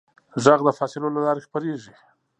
غږ د فاصلو له لارې خپرېږي.